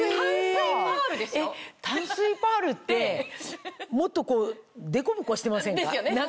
淡水パールってもっとこうデコボコしてませんか？